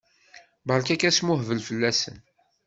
Berka asmuhbel fell-asen!